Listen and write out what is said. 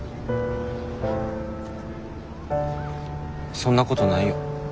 そんなことないよ。